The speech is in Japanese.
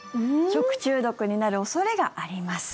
食中毒になる恐れがあります。